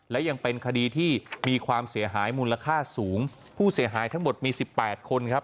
และยังเป็นคดีที่มีความเสียหายมูลค่าสูงผู้เสียหายทั้งหมดมีสิบแปดคนครับ